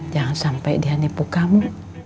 jangan sampai dia nipu kamu